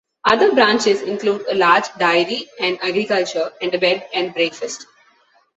Other branches include a large dairy and agriculture and a bed and breakfast.